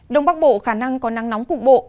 đông bắc bộ khả năng có nắng nóng cục bộ